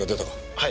はい。